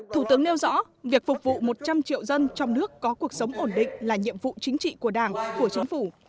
thủ tướng nêu rõ việc phục vụ một trăm linh triệu dân trong nước có cuộc sống ổn định là nhiệm vụ chính trị của đảng của chính phủ